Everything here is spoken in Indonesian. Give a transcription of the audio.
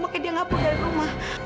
mungkin dia ngabur dari rumah